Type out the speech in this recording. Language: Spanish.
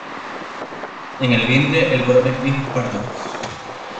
En el vientre el color es gris parduzco.